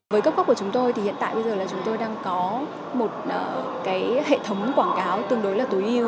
với cấp cốc của chúng tôi thì hiện tại bây giờ là chúng tôi đang có một hệ thống quảng cáo tương đối là tối ưu